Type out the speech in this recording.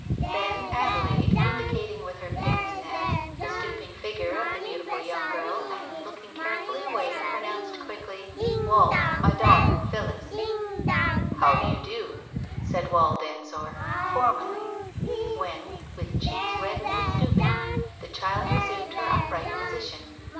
. Then Adelaide, indicating with her pince nez the stooping figure of the beautiful young girl, and looking carefully away, pronounced quickly — "Wald, my daughter, Phillis." " How do you do ?" said Wald Ensor, formally, when, Digitized by Google 252 TALES OF THE UNEASY her cheeks reddened with stooping, the child resumed her upright position.